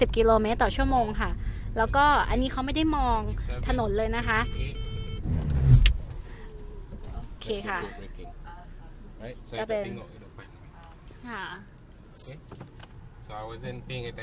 กิโลเมตรต่อชั่วโมงค่ะแล้วก็อันนี้เขาไม่ได้มองถนนเลยนะคะ